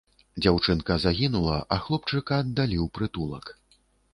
Дзяўчынка загінула, а хлопчыка аддалі ў прытулак.